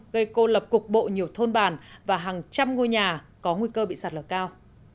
gây cô lập cục bộ nhiều thôn bản và hàng trăm ngôi nhà có nguy cơ bị sạt lở cao